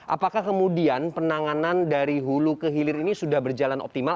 apakah kemudian penanganan dari hulu ke hilir ini sudah berjalan optimal